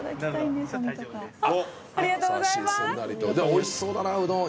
おいしそうだなうどん。